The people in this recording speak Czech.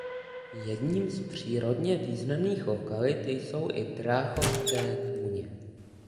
Jedním z přírodně významných lokalit jsou i Dráchovské tůně.